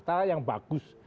cara yang bagus